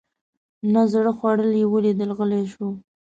نه زړه خوړل یې ولیدل غلی شو.